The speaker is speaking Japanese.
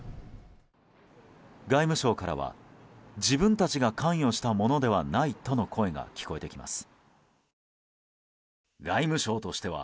外務省からは、自分たちが関与したものではないとの声が聞こえてきます。